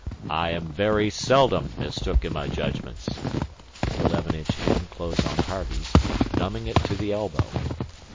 "I am very seldom mistook in my jedgments." The eleven inch hand closed on Harvey's, numbing it to the elbow.